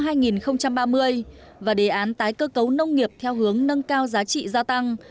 năm hai nghìn ba mươi và đề án tái cơ cấu nông nghiệp theo hướng nâng cao giá trị gia tăng